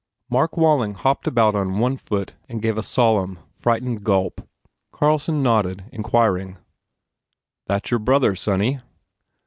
Mark Walling hopped about on one foot and gave a solemn, frightened gulp. Carlson nodded, inquiring, u That your brother, sonny?"